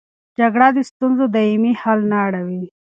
جګړه د ستونزو دایمي حل نه راوړي.